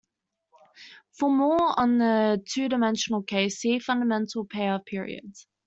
For more on the two-dimensional case, see fundamental pair of periods.